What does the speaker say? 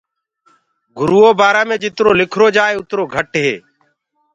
گُرو بآرآ مي جِترو لِکرو جآئي اُترو گھٽ هي۔